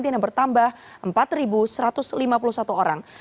yang bertambah empat satu ratus lima puluh satu orang